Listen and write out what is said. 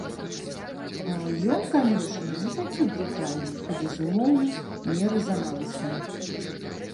Ён, канешне, не такі брутальны і, безумоўна, не рэзанансны.